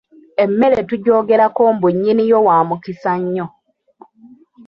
Emmere tugyogerako mbu nnyiniyo wa mukisa nnyo.